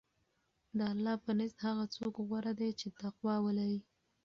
د الله په نزد هغه څوک غوره دی چې تقوی ولري.